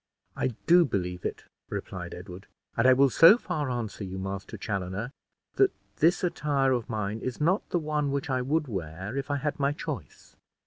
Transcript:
"I do believe it," replied Edward; "and I will so far answer you, Master Chaloner, that this attire of mine is not the one which I would wear, if I had my choice."